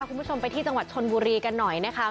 คุณผู้ชมไปที่จังหวัดชนบุรีกันหน่อยนะคะ